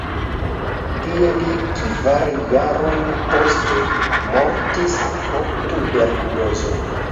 Tie li kvar jarojn poste mortis pro tuberkulozo.